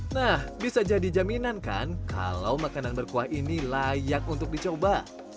nah bisa jadi jaminan kan kalau makanan berkuah ini layak untuk dicoba